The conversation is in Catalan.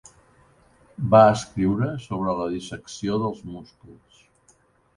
Va escriure sobre la dissecció dels músculs.